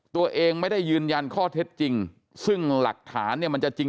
ตัวเองไม่ได้ยืนยันข้อเท็จจริงซึ่งหลักฐานเนี่ยมันจะจริง